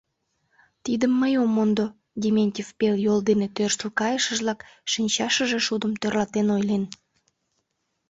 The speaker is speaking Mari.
— Тидым мый ом мондо, — Дементьев пел йол дене тӧрштыл кайышыжлак шинчашыже шудым тӧрлатен ойлен.